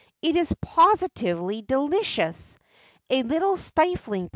It is positively delicious. A little stifling, perhap?